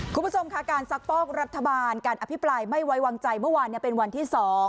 คุณผู้ชมค่ะการซักฟอกรัฐบาลการอภิปรายไม่ไว้วางใจเมื่อวานเป็นวันที่๒